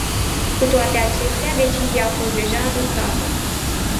Cu toate acestea, decizia a fost deja adoptată.